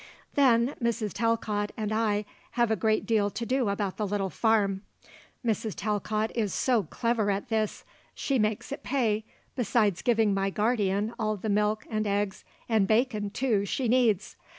"Then Mrs. Talcott and I have a great deal to do about the little farm. Mrs. Talcott is so clever at this. She makes it pay besides giving my guardian all the milk and eggs and bacon, too, she needs.